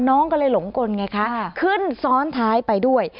น้องก็เลยหลงกลไงคะขึ้นซ้อนท้ายไปด้วย